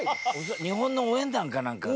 日本の応援団かなんかが？